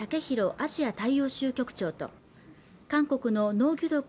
アジア大洋州局長と韓国のノ・ギュドク